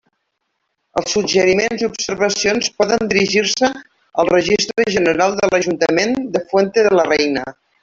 Els suggeriments i observacions poden dirigir-se al Registre General de l'Ajuntament de Fuente de la Reina.